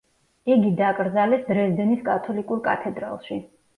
იგი დაკრძალეს დრეზდენის კათოლიკურ კათედრალში.